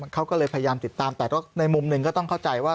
เขาก็เลยพยายามติดตามแต่ในมุมหนึ่งก็ต้องเข้าใจว่า